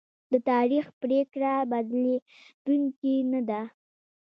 د تاریخ پرېکړه بدلېدونکې نه ده.